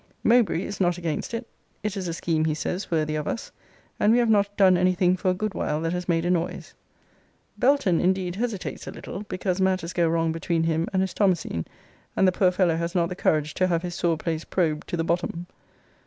MOWBRAY is not against it. It is a scheme, he says, worthy of us: and we have not done any thing for a good while that has made a noise. BELTON, indeed, hesitates a little, because matters go wrong between him and his Thomasine; and the poor fellow has not the courage to have his sore place probed to the bottom.